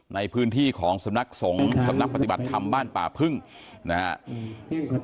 ในพื้นที่ของสำนักสงฆ์สำนักปฏิบัติธรรมบ้านป่าพึ่งนะครับ